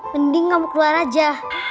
bening kamu keluar aja